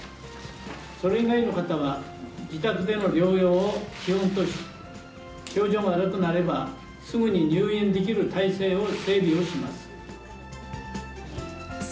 それ以外の方は自宅での療養を基本とし、症状が悪くなれば、すぐに入院できる体制を整備をします。